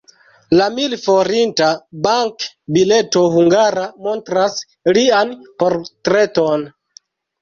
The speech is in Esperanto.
La mil-forinta bank-bileto hungara montras lian portreton.